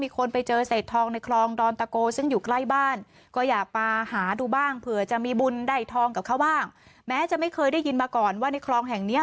ค่ะชาวบ้านก็พากันมาหาตั้งแต่เช้าเนี้ย